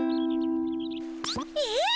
えっ？